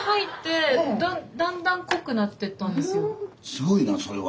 すごいなそれは。